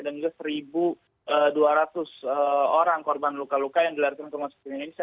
dan juga satu dua ratus orang korban luka luka yang dilarikan ke rumah sakit indonesia